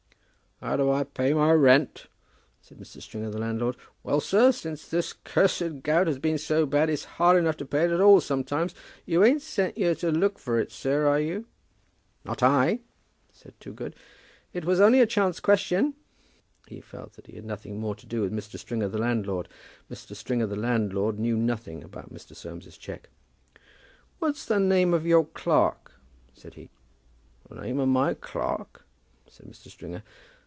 "How do I pay my rent?" said Mr. Stringer, the landlord. "Well, sir, since this cursed gout has been so bad, it's hard enough to pay it at all sometimes. You ain't sent here to look for it, sir, are you?" "Not I," said Toogood. "It was only a chance question." He felt that he had nothing more to do with Mr. Stringer, the landlord. Mr. Stringer, the landlord, knew nothing about Mr. Soames's cheque. "What's the name of your clerk?" said he. "The name of my clerk?" said Mr. Stringer.